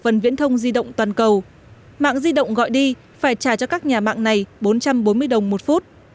phần viễn thông di động toàn cầu mạng di động gọi đi phải trả cho các nhà mạng này bốn trăm bốn mươi đồng một phút